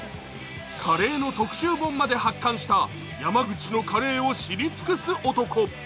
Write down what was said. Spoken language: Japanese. カレーの特集本まで発刊した山口のカレーを知り尽くす男。